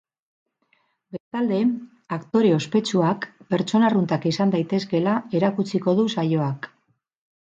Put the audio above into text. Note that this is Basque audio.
Bestalde, aktore ospetsuak pertsona arruntak izan daitezkeela erakutsiko du saioak.